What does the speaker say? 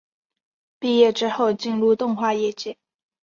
毕业之后进入动画业界。